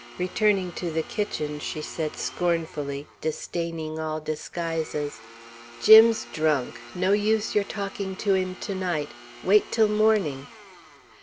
Returning to the kitchen, she said scornfully, disdaining all disguises, "Jim's drunk. No use your talking to him to night. Wait till morning."